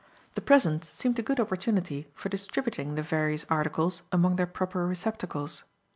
The present seemed a good opportunity for distributing the various articles among their proper receptacles.